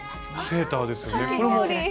セーターですよね。